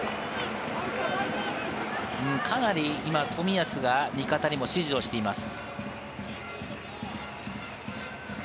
かなり冨安が味方にも指示をしています。